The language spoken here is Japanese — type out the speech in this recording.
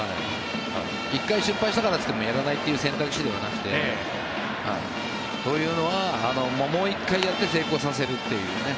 １回失敗したからといってやらないという選択肢ではなくてこういうのは、もう１回やって成功させるというね。